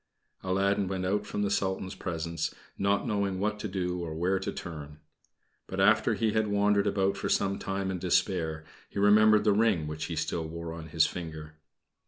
Aladdin went out from the Sultan's presence, not knowing what to do or where to turn. But after he had wandered about for some time in despair, he remembered the ring which he still wore on his finger.